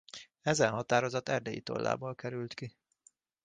Ezen határozat Erdélyi tollából került ki.